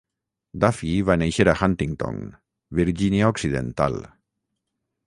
Duffey va néixer a Huntington, Virgínia Occidental.